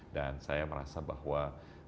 dan saya merasa bahwa